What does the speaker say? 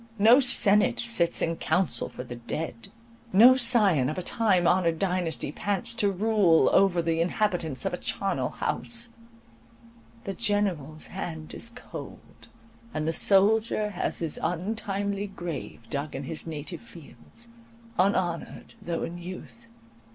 No senate sits in council for the dead; no scion of a time honoured dynasty pants to rule over the inhabitants of a charnel house; the general's hand is cold, and the soldier has his untimely grave dug in his native fields, unhonoured, though in youth.